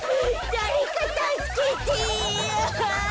だれかたすけて。